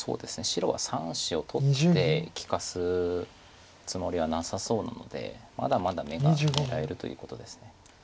白は３子を取って利かすつもりはなさそうなのでまだまだ眼が狙えるということです。